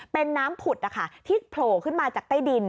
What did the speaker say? เป็นน้ำผุดที่โผล่ขึ้นมาจากใต้ดิน